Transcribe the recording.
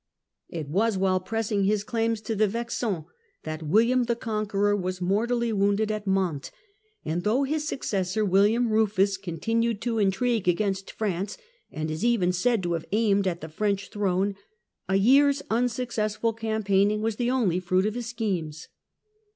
It was while press ing his claims to the Vexin that William the Conqueror was mortally wounded at Mantes, and though his suc cessor, William Kufus, continued to intrigue against France, and is even said to have aimed at the French throne, a year's unsuccessful campaigning was the only fruit of his schemes.